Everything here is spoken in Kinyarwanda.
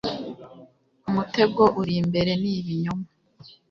umutego uri imbere ni ibinyoma